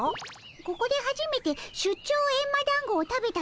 ここではじめて出張エンマだんごを食べたでおじゃる。